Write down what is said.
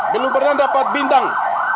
belum pernah dapat bintang